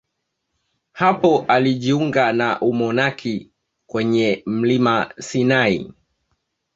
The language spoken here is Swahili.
Hapo alijiunga na umonaki kwenye mlima Sinai.